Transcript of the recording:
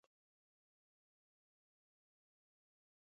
د تاریخي خوځښتونو لپاره یې د خلکو نمایندګي کړې ده.